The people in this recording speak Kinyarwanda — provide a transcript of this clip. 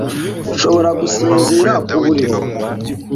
Nshobora gusinzira ku buriri?